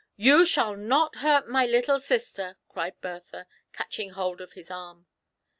" You shall not hurt my little sister," cried Bertha^ catching hold of his arm.